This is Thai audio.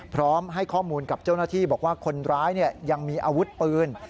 พร้อมให้ข้อมูลกับเจ้าหน้าที่บอกว่าคนร้ายยังมีอาวุธปืน